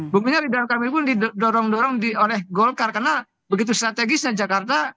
buktinya ridwan kamil pun didorong dorong oleh golkar karena begitu strategisnya jakarta